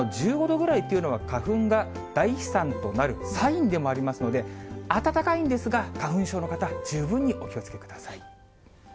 １５度ぐらいというのは、花粉が大飛散となるサインでもありますので、暖かいんですが、花粉症の方、十分にお気をつけください。